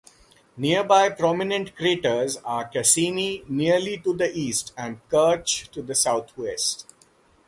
Nearby prominent craters are Cassini nearly to the east and Kirch to the southwest.